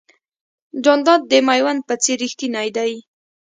جانداد د مېوند په څېر رښتینی دی.